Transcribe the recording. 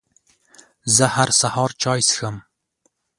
زه هر سهار چای څښم.